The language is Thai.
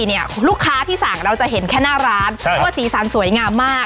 เนี่ยลูกค้าที่สั่งเราจะเห็นแค่หน้าร้านว่าสีสันสวยงามมาก